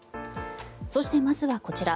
そして、まずはこちら。